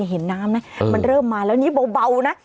เห็นน้ำนะมันเริ่มมาแล้วนี่เบานะ